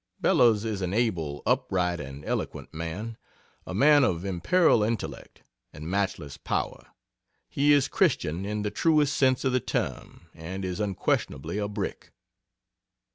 Bellows is an able, upright and eloquent man a man of imperial intellect and matchless power he is Christian in the truest sense of the term and is unquestionably a brick....